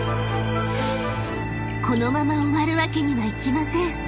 ［このまま終わるわけにはいきません］